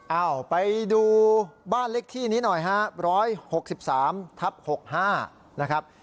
เอ้าไปดูบ้านเล็กที่นี้หน่อยฮะร้อยหกสิบสามทับหกห้านะครับ